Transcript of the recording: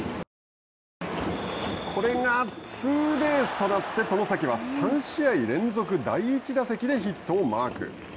これがツーベースとなって外崎は３試合連続第１打席でヒットをマーク。